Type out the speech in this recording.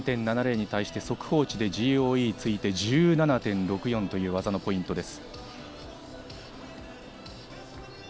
１３．７０に対して速報値でＧＯＥついて１７．６４という技のポイント。